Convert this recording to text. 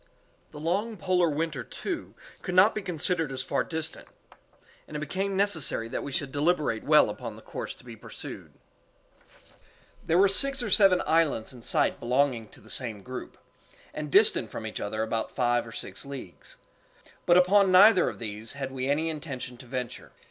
The long polar winter, too, could not be considered as far distant, and it became necessary that we should deliberate well upon the course to be pursued. There were six or seven islands in sight belonging to the same group, and distant from each other about five or six leagues; but upon neither of these had we any intention to venture.